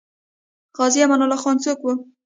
غازي امان الله څوک وو؟